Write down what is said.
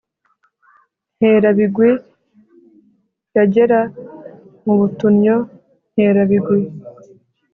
nkerabigwi/ yagera m u butunnyo nkerabigwi/